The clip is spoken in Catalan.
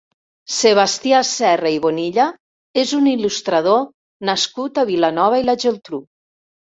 Sebastià Serra i Bonilla és un il·lustrador nascut a Vilanova i la Geltrú.